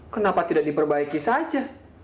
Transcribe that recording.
kenapa tidak diperbaiki saja